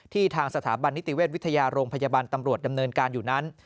ทางสถาบันนิติเวชวิทยาโรงพยาบาลตำรวจดำเนินการอยู่นั้น